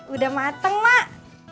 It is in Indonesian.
udah mateng mak